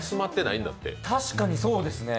確かにそうですね。